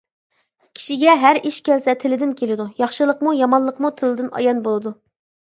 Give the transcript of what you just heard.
كىشىگە ھەر ئىش كەلسە تىلدىن كېلىدۇ، ياخشىلىقمۇ، يامانلىقمۇ تىلدىن ئايان بولىدۇ.